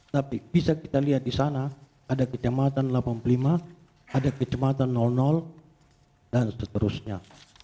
tapi bisa kita lihat di sana ada kecamatan delapan puluh lima ada kecamatan dan seterusnya